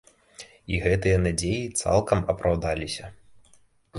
І гэтыя надзеі цалкам апраўдаліся.